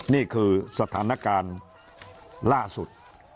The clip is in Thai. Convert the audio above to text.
นี่คือสถานการณ์ล่าสุด